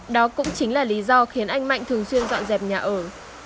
đó cũng chính là lý do khiến anh mạnh thường xuyên dọn dẹp nhà ở